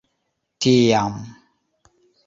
tiam